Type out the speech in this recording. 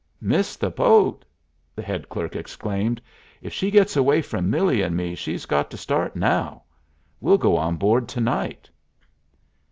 "Miss the boat!" the head clerk exclaimed. "If she gets away from Millie and me she's got to start now. We'll go on board to night!"